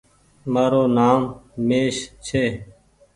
مآرو نآم مهيش ڇي۔